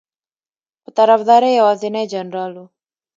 په طرفداری یوازینی جنرال ؤ